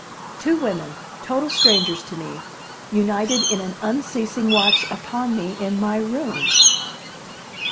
Two women, total strangers to me, united in an unceasing watch upon me in my room!